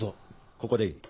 ここでいい。